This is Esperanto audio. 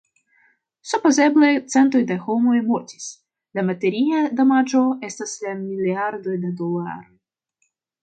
Supozeble centoj da homoj mortis; la materia damaĝo estas de miliardoj da dolaroj.